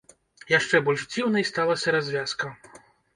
Яшчэ больш дзіўнай сталася развязка.